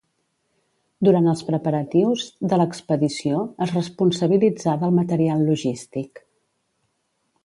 Durant els preparatius de l'expedició es responsabilitzà del material logístic.